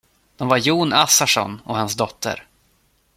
De var Jon Assarsson och hans dotter.